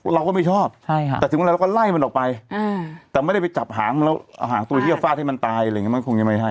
เราก็ไม่ชอบใช่ค่ะแต่ถึงวันเราก็ไล่มันออกไปเออแต่ไม่ได้ไปจับหางมันแล้วเอาหางตัวเหี้ยฟาดให้มันตายอะไรอย่างเงี้ยมันคงยังไม่ให้